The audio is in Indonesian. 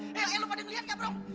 eh eh lo pada ngeliat gak bram